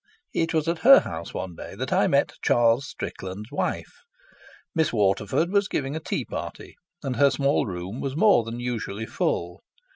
It was at her house one day that I met Charles Strickland's wife. Miss Waterford was giving a tea party, and her small room was more than usually full.